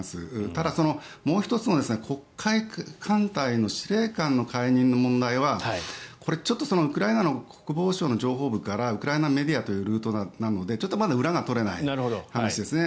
ただ、もう１つの黒海艦隊の司令官の解任の問題はこれちょっとウクライナの国防省の情報部からウクライナメディアというルートなのでちょっとまだ裏が取れない話ですね。